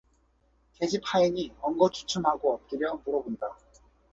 계집 하인이 엉거주춤하고 엎드려 물어 본다.